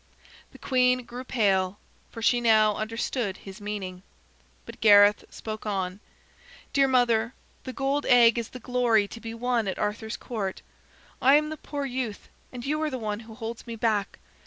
The queen grew pale, for she now understood his meaning. But Gareth spoke on: "Dear mother, the gold egg is the glory to be won at Arthur's Court; I am the poor youth, and you are the one who holds me back.